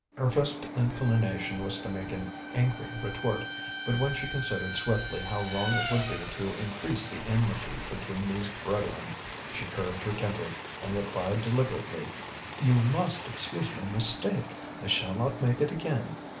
Her first inclination was to make an angry retort, but when she considered swiftly how wrong it would be to increase the enmity between these brethren, she curbed her temper, and replied deliberately: "You must excuse my mistake. I shall not make it again.